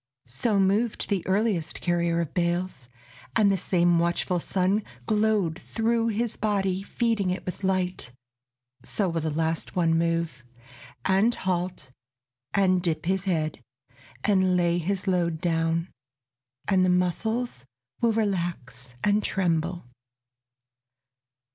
So moved the earliest carrier of bales, And the same watchful sun Glowed through his body feeding it with light. So will the last one move, And halt, and dip his head, and lay his load Down, and the muscles will relax and tremble.